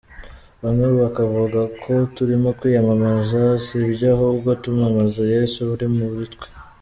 bamwe bakavuga ko turimo kwiyamamaza, si byo ahubwo turamamaza Yesu uri muri twe.